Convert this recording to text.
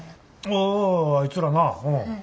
あああいつらなうん。